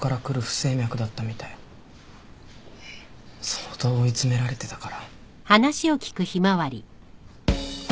相当追い詰められてたから。